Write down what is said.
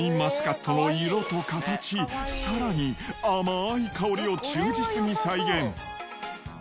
シャインマスカットの色と形、さらに甘い香りを忠実に再現。